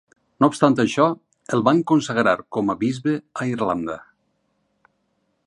No obstant això, el van consagrar com a bisbe a Irlanda.